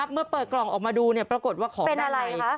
เมื่อเปิดกล่องออกมาดูปรากฏว่าของอะไร